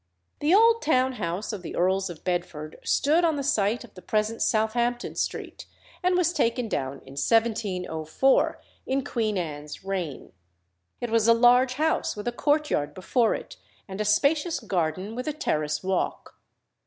The old town house of the Earls of Bedford stood on the site of the present Southampton Street, and was taken down in 1704, in Queen Anne's reign. It was a large house with a courtyard before it, and a spacious garden with a terrace walk.